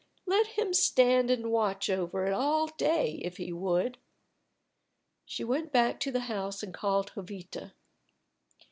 Let him stand and watch over it all day if he would. She went back to the house and called Jovita.